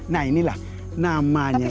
nah inilah namanya ini